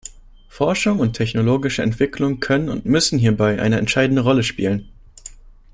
Forschung und technologische Entwicklung können und müssen hierbei eine entscheidende Rolle spielen.